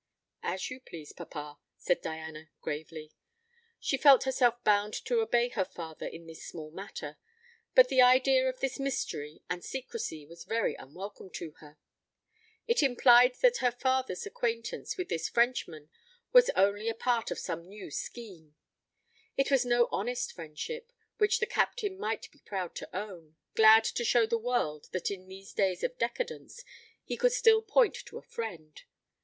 "As you please, papa," said Diana gravely. She felt herself bound to obey her father in this small matter; but the idea of this mystery and secrecy was very unwelcome to her. It implied that her father's acquaintance with this Frenchman was only a part of some new scheme. It was no honest friendship, which the Captain might be proud to own, glad to show the world that in these days of decadence he could still point to a friend.